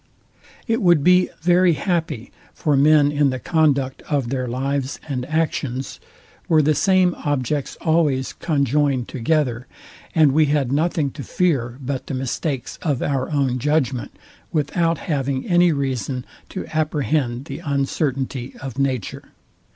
It would be very happy for men in the conduct of their lives and actions, were the same objects always conjoined together, and, we had nothing to fear but the mistakes of our own judgment, without having any reason to apprehend the uncertainty of nature.